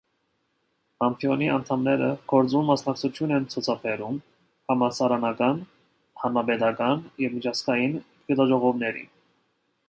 Ամբիոնի անդամները գործուն մասնակցություն են ցուցաբերում համալսարանական, հանրապետական ու միջազգային գիտաժողովներին։